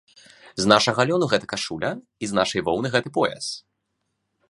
З нашага лёну гэта кашуля і з нашай воўны гэты пояс.